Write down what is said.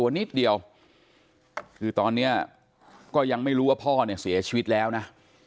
นิดเดียวคือตอนนี้ก็ยังไม่รู้ว่าพ่อเนี่ยเสียชีวิตแล้วนะ